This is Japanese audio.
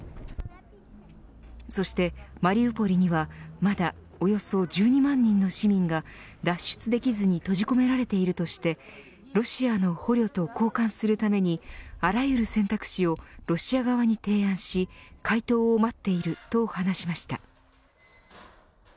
そしてマリウポリにはまだおよそ１２万人の市民が脱出できずに閉じ込められているとしてロシアの捕虜と交換するためにあらゆる選択肢をロシア側に提案し回答を待っていると話しました。